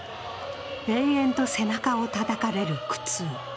延々と背中をたたかれる苦痛。